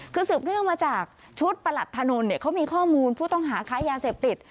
คือสืบเนื่องมาจากชุดประหลัดถนนเนี่ยเขามีข้อมูลผู้ต้องหาค้ายาเสพติด